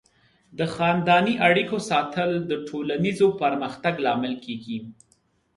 د خاندنۍ اړیکو ساتل د ټولنیز پرمختګ لامل کیږي.